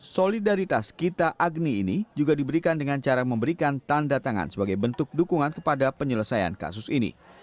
solidaritas kita agni ini juga diberikan dengan cara memberikan tanda tangan sebagai bentuk dukungan kepada penyelesaian kasus ini